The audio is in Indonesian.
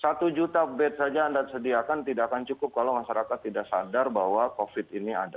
satu juta bed saja anda sediakan tidak akan cukup kalau masyarakat tidak sadar bahwa covid ini ada